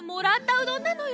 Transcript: うどんなのよ。